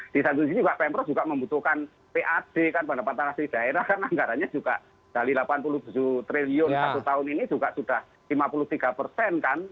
di satu sini juga pembro juga membutuhkan pad pada pantang asli daerah karena anggaranya juga dari delapan puluh triliun satu tahun ini juga sudah lima puluh tiga persen kan